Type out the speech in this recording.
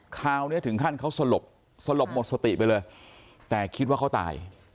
คราวนี้ถึงขั้นเขาสลบสลบหมดสติไปเลยแต่คิดว่าเขาตาย